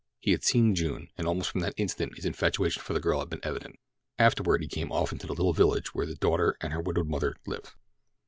He had seen June, and almost from that instant his infatuation for the girl had been evident. Afterward he came often to the little village where the daughter and her widowed mother lived.